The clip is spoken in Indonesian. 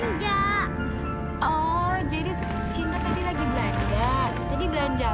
kalau beli kue tadi kan ada yang kaya satu